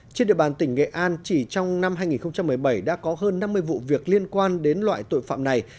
trên địa bàn tỉnh nghệ an chỉ trong năm hai nghìn một mươi bảy đã có hơn năm mươi vụ việc liên quan đến loại tội phạm này